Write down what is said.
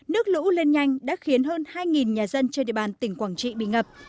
nước lũ lên nhanh đã khiến hơn hai nhà dân trên địa bàn tỉnh quảng trị bị ngập